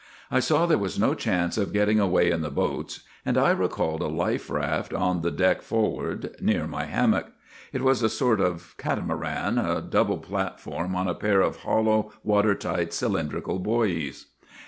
" I saw there was no chance of getting away in io GULLIVER THE GREAT the boats, and I recalled a life raft on the deck forward near my hammock. It was a sort of catamaran a double platform on a pair of hollow, water tight, cylindrical buoys.